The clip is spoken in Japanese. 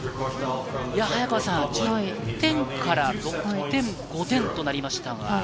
早川さん、１０点から６点、５点となりました。